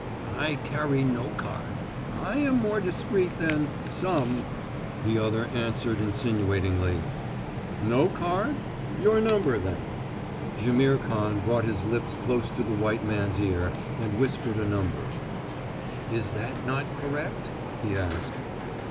"I carry no card. I am more discreet than some," the other answered insinuatingly. "No card? Your number, then?" Jaimihr Khan brought his lips close to the white man's ear and whispered a number. "Is that not correct?" he asked.